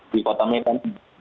di kota medan